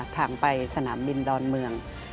ทางไปสนามบินดอนเมือง